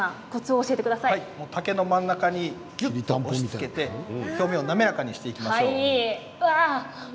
竹の真ん中にぎゅっと押し付けて表面を滑らかにしていきましょう。